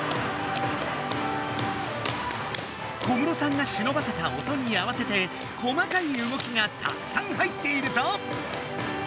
小室さんがしのばせた音に合わせて細かい動きがたくさん入っているぞ！